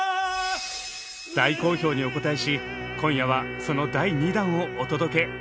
大好評にお応えし今夜はその第二弾をお届け！